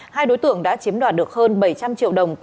hai đối tượng đã chiếm đoạt được hơn bảy trăm linh triệu đồng